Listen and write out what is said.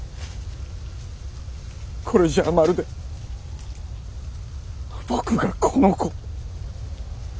これじゃあまるで僕がこの子を！！